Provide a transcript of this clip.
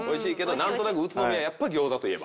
何となく宇都宮餃子といえば。